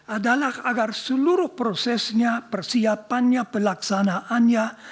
adalah agar seluruh prosesnya persiapannya pelaksanaannya